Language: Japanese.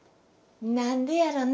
何でやろな。